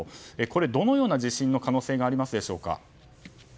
これどのような地震の可能性がありますでしょうか。